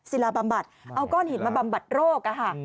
ลาบำบัดเอาก้อนหินมาบำบัดโรค